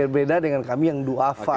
beda dengan kami yang duafa